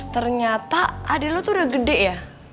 ternyata adik lo tuh udah gede ya